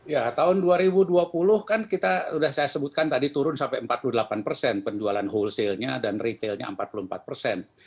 ya tahun dua ribu dua puluh kan kita sudah saya sebutkan tadi turun sampai empat puluh delapan persen penjualan whole sale nya dan retailnya empat puluh empat persen